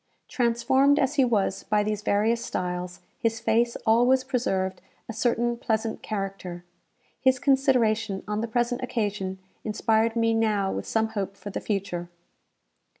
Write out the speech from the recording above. Transformed as he was by these various styles, his face always preserved a certain pleasant character. His consideration on the present occasion inspired me now with some hope for the future.